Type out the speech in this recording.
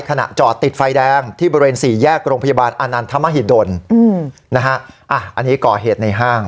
ขณะจอดติดไฟแดงที่บริเวณสี่แยกโรงพยาบาลอานันทมหิดลอันนี้ก่อเหตุในห้าง